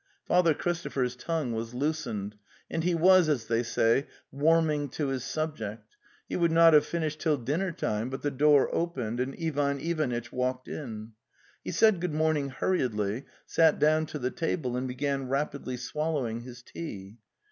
: Father Christopher's tongue was loosened, and he was, as they say, warming to his subject; he would not have finished till dinnertime but the door opened and Ivan Ivanitch walked in. He said good morn ing hurriedly, sat down to the table, and began rapidly swallowing his tea.